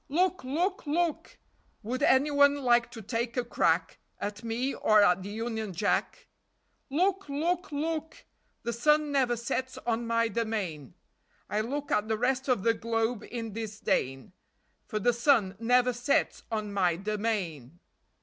Look ! Look ! Look ! Would any one like to take a crack At me or at the Union Jack? Look ! Look ! Look ! The sun never sets on my domain. I look at the rest of the globe in disdain,, For the sun never sets on my domain!